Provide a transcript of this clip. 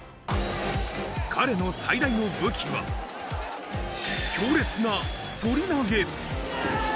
彼の最大の武器は強烈な反り投げ。